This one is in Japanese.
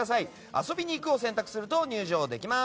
遊びに行くを選択すると入場できます。